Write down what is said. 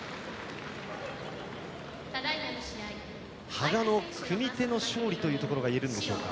羽賀の組み手の勝利ということがいえるんでしょうか。